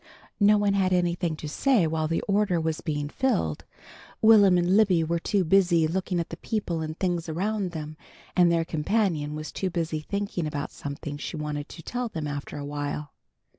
No one had anything to say while the order was being filled. Will'm and Libby were too busy looking at the people and things around them, and their companion was too busy thinking about something she wanted to tell them after awhile.